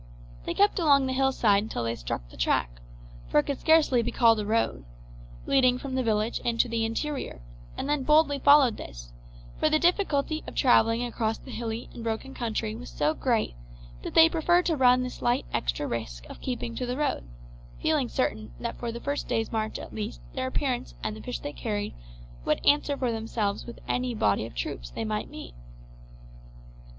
They kept along the hillside until they struck the track for it could scarcely be called a road leading from the village into the interior, and then boldly followed this; for the difficulty of travelling across the hilly and broken country was so great that they preferred to run the slight extra risk of keeping to the road, feeling certain that for the first day's march at least their appearance and the fish they carried would answer for themselves with any body of troops they might meet.